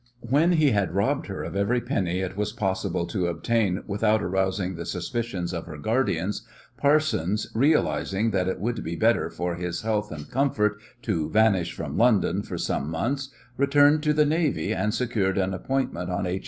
When he had robbed her of every penny it was possible to obtain without arousing the suspicions of her guardians, Parsons, realizing that it would be better for his health and comfort to vanish from London for some months, returned to the navy and secured an appointment on H.